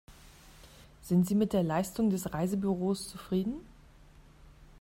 Sind Sie mit der Leistung des Reisebüros zufrieden?